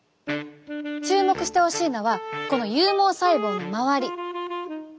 注目してほしいのはこの有毛細胞の周り。